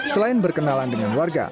selain berkenalan dengan warga